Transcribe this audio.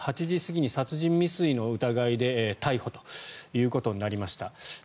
８時過ぎに殺人未遂の疑いで逮捕ということになりました。